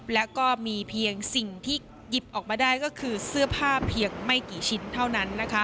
และก็มีเพียงสิ่งที่หยิบออกมาได้ก็คือเสื้อผ้าเพียงไม่กี่ชิ้นเท่านั้น